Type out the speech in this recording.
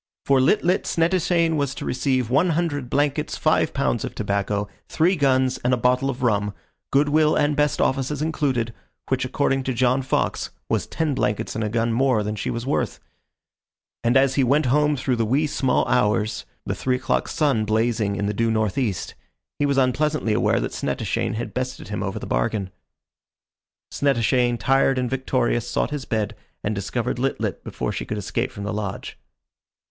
For Lit lit Snettishane was to receive one hundred blankets, five pounds of tobacco, three guns, and a bottle of rum, goodwill and best offices included, which according to John Fox, was ten blankets and a gun more than she was worth. And as he went home through the wee sma' hours, the three o'clock sun blazing in the due north east, he was unpleasantly aware that Snettishane had bested him over the bargain. Snettishane, tired and victorious, sought his bed, and discovered Lit lit before she could escape from the lodge.